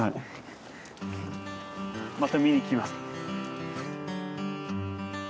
また見に来ます。